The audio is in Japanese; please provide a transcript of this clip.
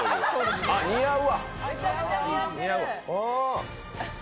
似合うわ！